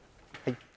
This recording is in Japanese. はい